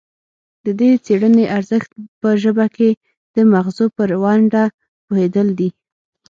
د دې څیړنې ارزښت په ژبه کې د مغزو پر ونډه پوهیدل دي